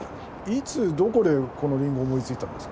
・いつどこでこのりんごを思いついたんですか？